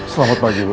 selamat pagi dok